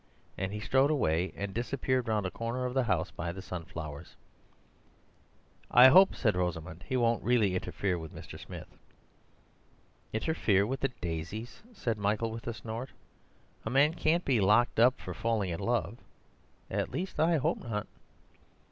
And he strode away and disappeared round a corner of the house by the sunflowers. "I hope," said Rosamund, "he won't really interfere with Mr. Smith." "Interfere with the daisies!" said Michael with a snort. "A man can't be locked up for falling in love—at least I hope not."